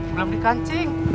belum di kancing